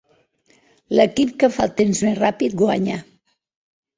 L'equip que fa el temps més ràpid guanya.